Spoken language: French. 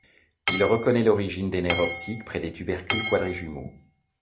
Il reconnait l'origine des nerfs optiques près des tubercules quadrijumeaux.